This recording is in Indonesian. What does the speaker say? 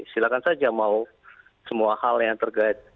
silahkan saja mau semua hal yang terkait